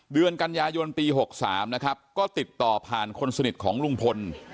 เดือนกันยายนปี๖๓นะครับก็ติดต่อผ่านคนสนิทของลุงพล